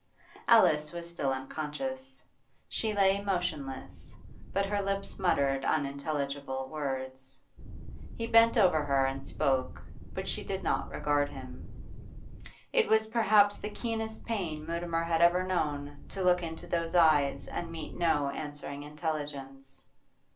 Alice was still unconscious; she lay motionless, but her lips muttered unintelligible words. He bent over her and spoke, but she did not regard him. It was perhaps the keenest pain Mutimer had ever known to look into those eyes and meet no answering intelligence.